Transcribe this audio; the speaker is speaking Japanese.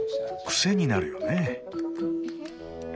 クセになるよね。